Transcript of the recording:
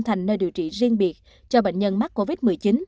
thành nơi điều trị riêng biệt cho bệnh nhân mắc covid một mươi chín